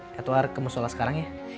yatuar kamu sholat sekarang ya